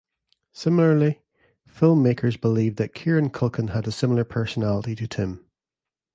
Similarly, filmmakers believed that Kieran Culkin had a similar personality to Tim.